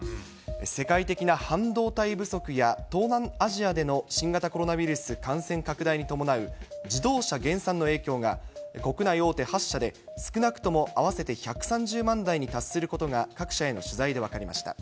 世界的な半導体不足や、東南アジアでの新型コロナウイルス感染拡大に伴う自動車減産の影響が国内大手８社で、少なくとも合わせて１３０万台に達することが、各社への取材で分かりました。